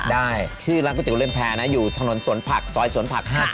ได้ชื่อร้านก๋วเล่นแพรนะอยู่ถนนสวนผักซอยสวนผัก๕๐